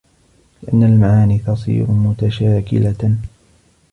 لِأَنَّ الْمَعَانِيَ تَصِيرُ مُتَشَاكِلَةً